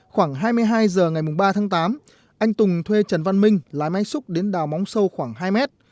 khoảng hai mươi hai giờ ngày ba tháng tám anh tùng thuê trần văn minh lái máy xúc đến đào móng sâu khoảng hai mét